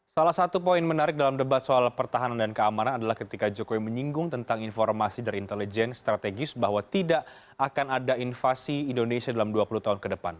salah satu poin menarik dalam debat soal pertahanan dan keamanan adalah ketika jokowi menyinggung tentang informasi dari intelijen strategis bahwa tidak akan ada invasi indonesia dalam dua puluh tahun ke depan